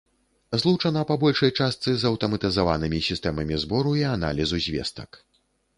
Злучана па большай частцы з аўтаматызаванымі сістэмамі збору і аналізу звестак.